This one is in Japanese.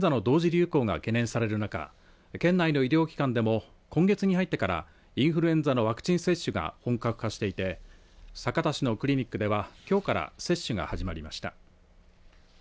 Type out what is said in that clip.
流行が懸念される中県内の医療機関でも今月に入ってからインフルエンザのワクチン接種が本格化していて酒田市のクリニックではきょうから接種が始まりました。